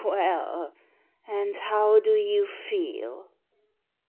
" Well, and how do you feel